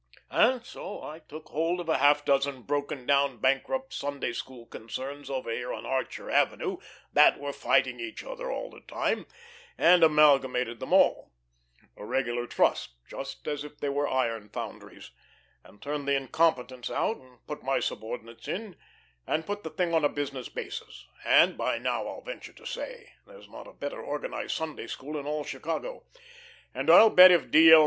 And so I took hold of a half dozen broken down, bankrupt Sunday school concerns over here on Archer Avenue that were fighting each other all the time, and amalgamated them all a regular trust, just as if they were iron foundries and turned the incompetents out and put my subordinates in, and put the thing on a business basis, and by now, I'll venture to say, there's not a better organised Sunday school in all Chicago, and I'll bet if D. L.